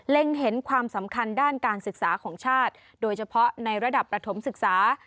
เห็นความสำคัญด้านการศึกษาของชาติโดยเฉพาะในระดับประถมศึกษา